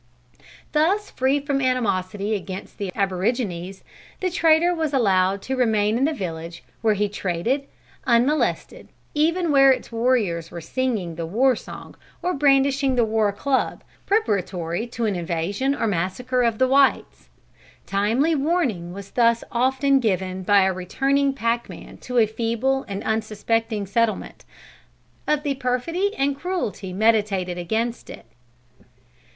"Thus free from animosity against the aborigines, the trader was allowed to remain in the village, where he traded, unmolested, even where its warriors were singing the war song or brandishing the war club, preparatory to an invasion or massacre of the whites. Timely warning was thus often given by a returning packman to a feeble and unsuspecting settlement, of the perfidy and cruelty meditated against it."